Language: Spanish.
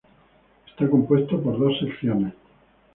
Está compuesta por dos secciones.